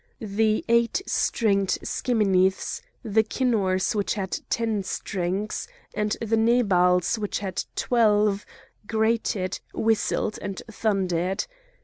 The eight stringed scheminiths, the kinnors which had ten strings, and the nebals which had twelve, grated, whistled, and thundered.